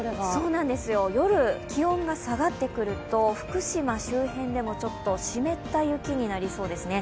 夜、気温が下がってくると福島周辺では湿った雪になりそうですね。